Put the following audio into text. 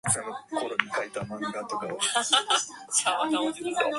Fire protection is provided by three volunteer fire companies.